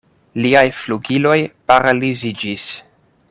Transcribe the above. Liaj flugiloj paraliziĝis.